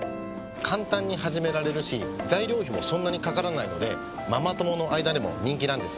簡単に始められるし材料費もそんなにかからないのでママ友の間でも人気なんです。